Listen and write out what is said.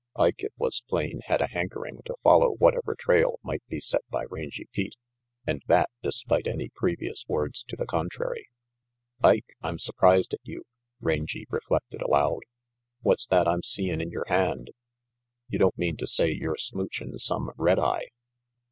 Ike, it was plain, had a hankering to follow whatever trail might be set by Rangy Pete, and that despite any previous words to the contrary. "Ike, I'm surprised at you," Rangy reflected aloud. "What's that I'm seein' in your hand? You don't mean to say you're smoochin' some red eye.